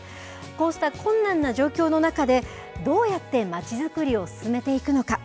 こうした困難な状況の中で、どうやって町づくりを進めていくのか。